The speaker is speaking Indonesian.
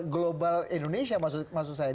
global indonesia maksud saya